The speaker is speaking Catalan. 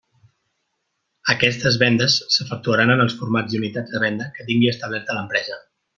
Aquestes vendes s'efectuaran en els formats i unitats de venda que tingui establerta l'empresa.